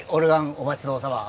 お待ち遠さま！